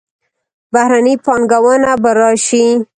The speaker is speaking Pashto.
بهرنۍ پانګونه به راشي.